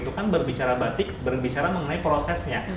jadi kita harus berbicara batik berbicara mengenai prosesnya